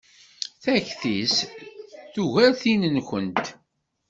Takti-s tugar tin-nkent.